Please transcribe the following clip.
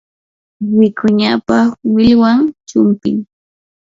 wikuñapa millwan chumpim.